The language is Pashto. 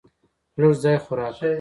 لږ ځای خو راکړه .